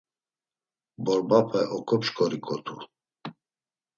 Borbape oǩopşǩoriǩotu!